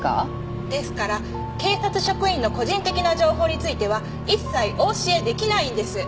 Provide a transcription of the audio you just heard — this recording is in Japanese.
ですから警察職員の個人的な情報については一切お教え出来ないんです。